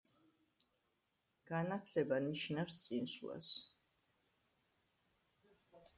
განათლება ნიშნავს წინსვლას